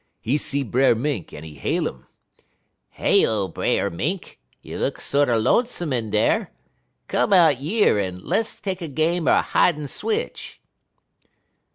He see Brer Mink, en he hail 'im: "'Heyo, Brer Mink! you look sorter lonesome in dar. Come out yer en less take a game er hidin' switch.'